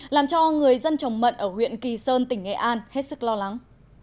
làm cho người dân trồng mận ở huyện kỳ sơn tỉnh nghệ an hết sức lo lắng